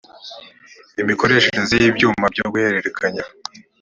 imikoreshereze y’ibyuma byo guhererekanya